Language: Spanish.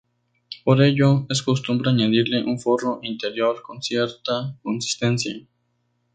Por ello, es costumbre añadirle un forro interior con cierta consistencia.